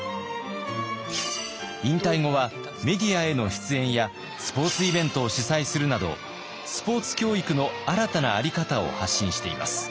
引退後はメディアへの出演やスポーツイベントを主催するなどスポーツ教育の新たなあり方を発信しています。